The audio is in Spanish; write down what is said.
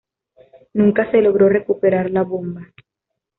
Nunca se logró recuperar la bomba.